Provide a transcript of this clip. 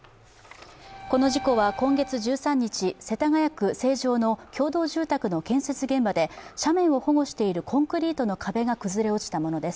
この事故は今月１３日、世田谷区の共同住宅の建設現場で斜面を保護しているコンクリートの壁が崩れ落ちたものです。